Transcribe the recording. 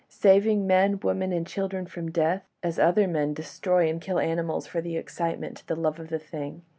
—saving men, women and children from death, as other men destroy and kill animals for the excitement, the love of the thing.